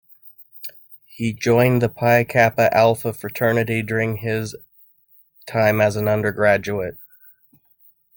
He joined the Pi Kappa Alpha Fraternity during his time as an undergraduate.